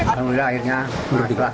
alhamdulillah akhirnya berubah